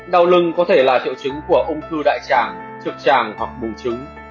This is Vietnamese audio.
đau lưng có thể là triệu chứng của ung thư đại tràng trực tràng hoặc bù trúng